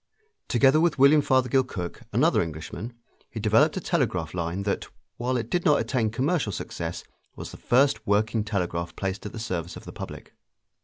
Together with William Fothergill Cooke, another Englishman, he developed a telegraph line that, while it did not attain commercial success, was the first working telegraph placed at the service of the public.